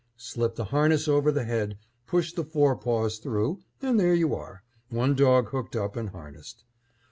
Slip the harness over the head, push the fore paws through, and there you are, one dog hooked up and harnessed.